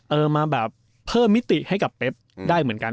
เออมาแบบเพิ่มมิติให้กับเป๊บได้เหมือนกัน